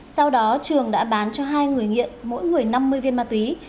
sau đó trường đã bán cho hai người nghiện mỗi người năm mươi viên ma túy